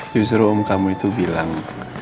justru om kamu itu bilang